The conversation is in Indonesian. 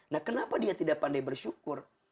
nah kenapa dia tidak pandai bersyukur